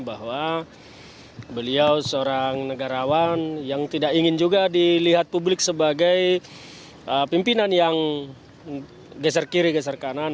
bahwa beliau seorang negarawan yang tidak ingin juga dilihat publik sebagai pimpinan yang geser kiri geser kanan